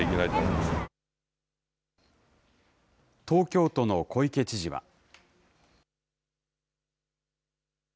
東京都の小池知事は。